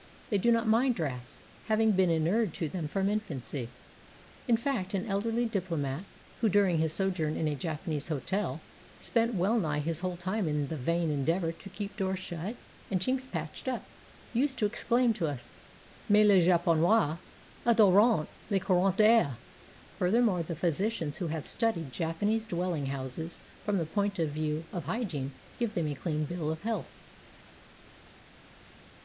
They do not mind drafts, having been inured to them from infancy. In fact an elderly diplomat, who, during his sojourn in a Japanese hotel, spent well nigh his whole time in the vain endeavor to keep doors shut and chinks patched up, used to exclaim to us, "Mais les japonais adorent les courants d'air!" Furthermore the physicians who have studied Japanese dwelling houses from the point of view of hygiene give them a clean bill of health.